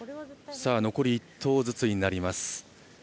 残り１投ずつになります。